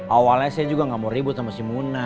awalnya saya juga gak mau ribut sama si muna